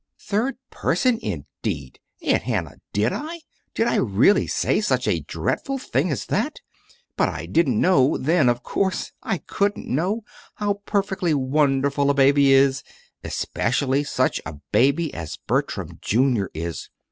"Third person, indeed! Aunt Hannah, did I? Did I really say such a dreadful thing as that? But I didn't know, then, of course. I couldn't know how perfectly wonderful a baby is, especially such a baby as Bertram, Jr., is.